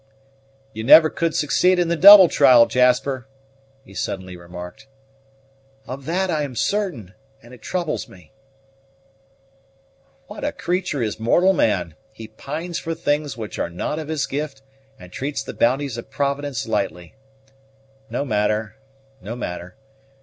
"You never could succeed in the double trial, Jasper!" he suddenly remarked. "Of that I am certain, and it troubles me." "What a creature is mortal man! He pines for things which are not of his gift and treats the bounties of Providence lightly. No matter, no matter.